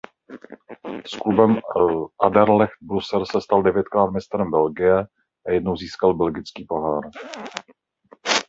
S klubem Anderlecht Brusel se stal devětkrát mistrem Belgie a jednou získal belgický pohár.